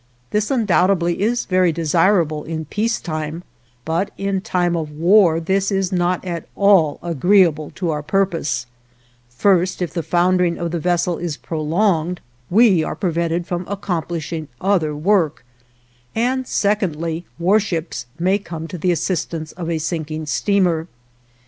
This undoubtedly is very desirable in peace time, but in time of war this is not at all agreeable to our purpose; first, if the foundering of the vessel is prolonged we are prevented from accomplishing other work, and secondly, warships may come to the assistance of a sinking steamer.